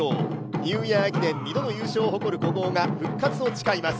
ニューイヤー駅伝２度の優勝を誇る古豪が復活を誓います。